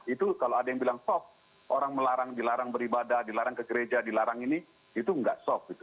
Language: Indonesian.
itu kalau ada yang bilang soft orang melarang dilarang beribadah dilarang ke gereja dilarang ini itu nggak soft gitu